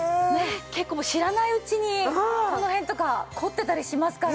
結構もう知らないうちにこの辺とか凝ってたりしますからね。